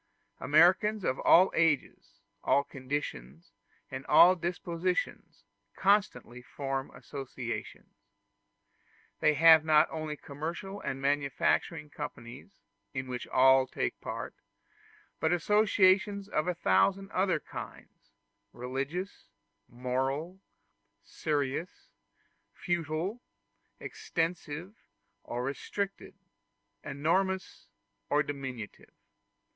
Americans of all ages, all conditions, and all dispositions, constantly form associations. They have not only commercial and manufacturing companies, in which all take part, but associations of a thousand other kinds religious, moral, serious, futile, extensive, or restricted, enormous or diminutive.